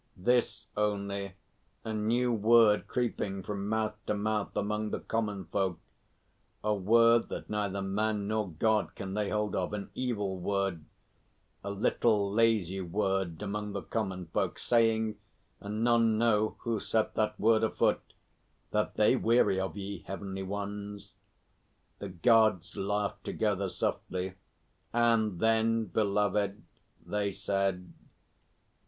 "This only. A new word creeping from mouth to mouth among the Common Folk a word that neither man nor God can lay hold of an evil word a little lazy word among the Common Folk, saying (and none know who set that word afoot) that they weary of ye, Heavenly Ones." The Gods laughed together softly. "And then, beloved," they said.